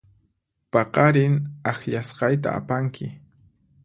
Paqarin akllasqayta apanki.